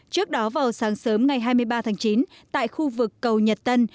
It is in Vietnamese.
trước đó vào sáng sớm ngày hai mươi ba tháng chín tại khu vực cầu nhật tân